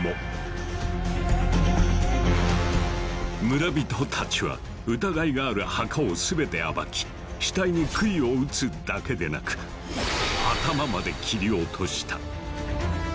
村人たちは疑いがある墓を全て暴き死体に杭を打つだけでなく頭まで切り落とした。